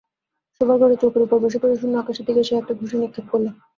শোবার ঘরে চৌকির উপরে বসে পড়ে শূন্য আকাশের দিকে সে একটা ঘুষি নিক্ষেপ করলে।